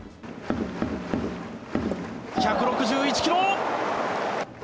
１６１キロ！